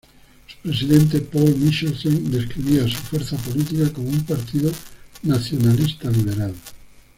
Su presidente, Poul Michelsen, describe a su fuerza política como "un partido nacionalista liberal".